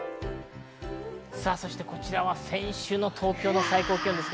こちらは先週の東京の最高気温です。